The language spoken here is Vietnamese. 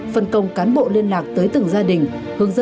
phân công cán bộ liên lạc tới từng gia đình